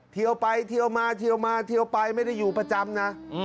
เที่ยวไปเที่ยวมาเที่ยวไปไม่ได้อยู่ประจำนะ